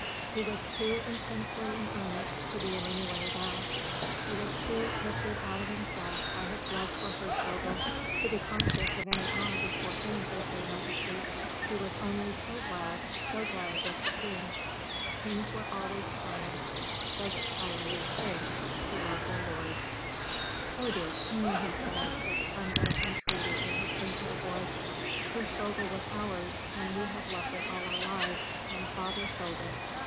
He was too intensely in earnest to be in any way abashed; he was too lifted out of himself by his love for Hirschvogel to be conscious of any awe before any earthly majesty. He was only so glad so glad it was the king. Kings were always kind; so the Tyrolese think, who love their lords. "Oh, dear king!" he said, with trembling entreaty in his faint little voice, "Hirschvogel was ours, and we have loved it all our lives; and father sold it.